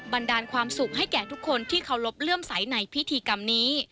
บรรดาลความสุขให้แก่ทุกคนที่เคารพเลื่อมใสในพิธีกรรมนี้